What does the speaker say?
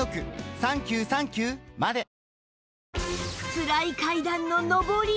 つらい階段の上り